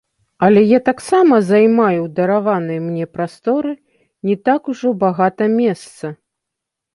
Але я таксама займаю ў дараванай мне прасторы не так ужо багата месца.